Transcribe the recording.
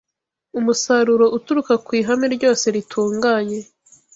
Umusaruro uturuka ku ihame ryose ritunganye